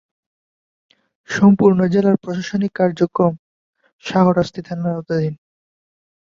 সম্পূর্ণ উপজেলার প্রশাসনিক কার্যক্রম শাহরাস্তি থানার আওতাধীন।